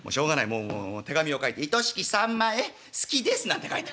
もう手紙を書いて「いとしきさんまへ好きです」なんて書いて。